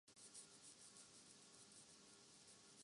اس ملک کے وفاداری کے دعوے داروں نے پہنچایا ہے